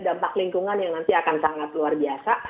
dampak lingkungan yang nanti akan sangat luar biasa